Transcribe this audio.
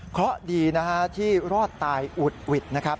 เพราะดีที่รอดตายอุดหวิด